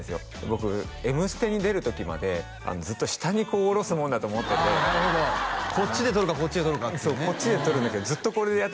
僕「Ｍステ」に出る時までずっと下に下ろすもんだと思っててこっちでとるかこっちでとるかっていうねそうこっちでとるんだけどずっとこれでやってたから